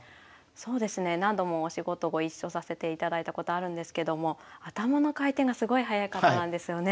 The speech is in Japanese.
そうですね何度もお仕事ご一緒させていただいたことあるんですけども頭の回転がすごい速い方なんですよね。